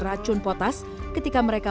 racun potas ketika mereka